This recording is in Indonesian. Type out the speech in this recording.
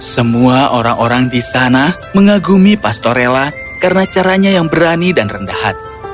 semua orang orang di sana mengagumi pastorella karena caranya yang berani dan rendah hati